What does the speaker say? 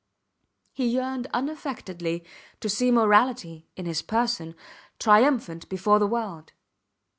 He yearned unaffectedly to see morality (in his person) triumphant before the world.